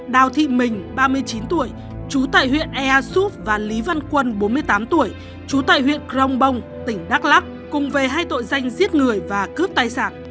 đào thị mình ba mươi chín tuổi trú tại huyện ea súp và lý văn quân bốn mươi tám tuổi trú tại huyện crong bông tỉnh đắk lắc cùng về hai tội danh giết người và cướp tài sản